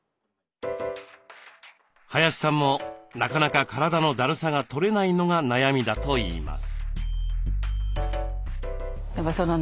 林さんもなかなか体のだるさが取れないのが悩みだといいます。